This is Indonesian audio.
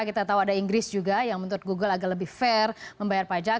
kita tahu ada inggris juga yang menuntut google agak lebih fair membayar pajak